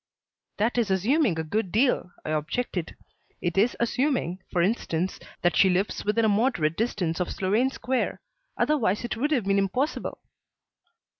"That is assuming a good deal," I objected. "It is assuming, for instance, that she lives within a moderate distance of Sloane Square. Otherwise it would have been impossible."